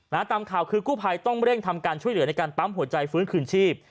ตามข่าวคือกู้ภัยต้องเร่งทำการช่วยเหลือในการปั๊มหัวใจฟื้นคืนชีพ